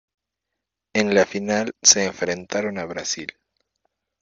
En la final se enfrentaron a Brasil.